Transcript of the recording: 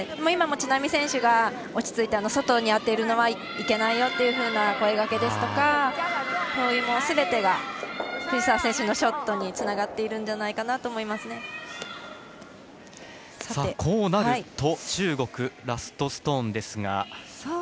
今も知那美選手が落ち着いて、外に当てるのはいけないよというような声がけですとかすべてが藤澤選手のショットにつながっているんじゃないかなとこうなると、中国ラストストーンですが。